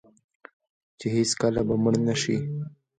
چې هیڅکله به مړ نشي.